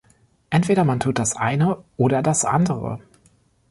Entweder man tut das eine oder das andere.